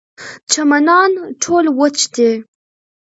چمنان ټول وچ دي.